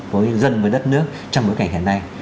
với dân với đất nước trong bối cảnh hiện nay